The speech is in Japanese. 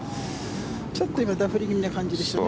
ちょっと今ダフり気味な感じでしたね。